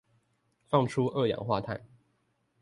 放出二氧化碳